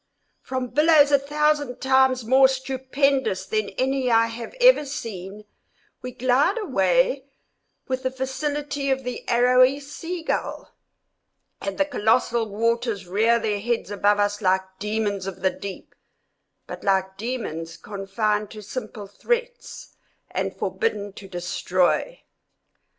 From billows a thousand times more stupendous than any I have ever seen, we glide away with the facility of the arrowy sea gull; and the colossal waters rear their heads above us like demons of the deep, but like demons confined to simple threats and forbidden to destroy.